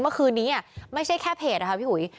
เพราะคืนนี้ไม่ใช่แค่เพจค่ะพี่หุย